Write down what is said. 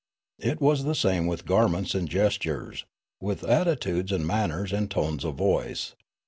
It was the same with garments and gestures, with atti tudes and manners and tones of voice.